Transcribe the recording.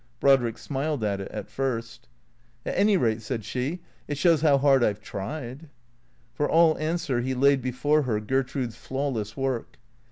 Brodrick smiled at it — at first. " At any rate," said she, " it shows how hard I 've tried." For all answer he laid before her Gertrude's flawless work.